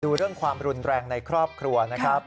ดูเรื่องความรุนแรงในครอบครัวนะครับ